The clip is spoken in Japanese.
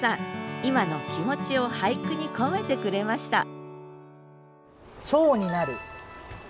今の気持ちを俳句に込めてくれましたお。